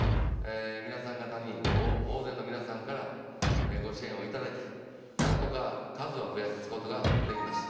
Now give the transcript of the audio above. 皆さん方に、大勢の皆さんからご支援を頂き、なんとか数を増やすことができました。